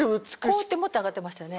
こうやって持って上がってましたよね。